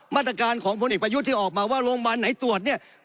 มาตรการของพลเอกประยุทธ์ที่ออกมาว่าโรงพยาบาลไหนตรวจเนี่ย